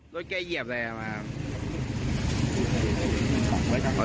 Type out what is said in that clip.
แกเหยียบเลยครับ